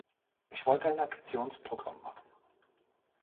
Ich wollte ein Aktionsprogramm machen.